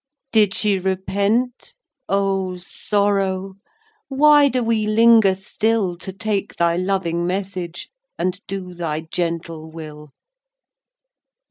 XV. Did she repent? O Sorrow! Why do we linger still To take thy loving message, And do thy gentle will?